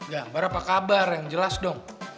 gambar apa kabar yang jelas dong